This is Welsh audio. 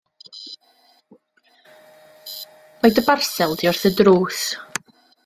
Mae dy barsel di wrth y drws.